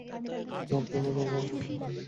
আমার ফোনে তো গরগর করে চলছে।